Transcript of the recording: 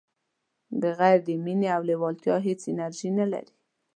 بغیر د مینې او لیوالتیا هیڅ انرژي نه لرئ.